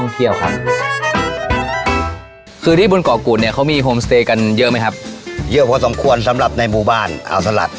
เป็นโฮมส